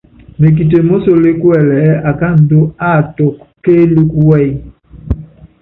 Mekite mósokeé kuɛlɛ ɛ́ɛ́ akáandú áátuku kéelúkú wɛ́yí.